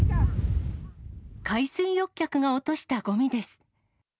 海水浴客が落としたごみです。